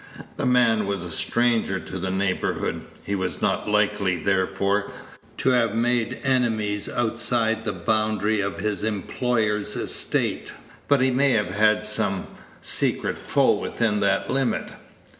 The man was a stranger to the neighborhood. He was not likely, therefore, to have made enemies outside the boundary of his employer's estate, but he may have had some secret foe within that limit.